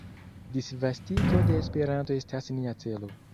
Disvastigo de Esperanto estas nia celo.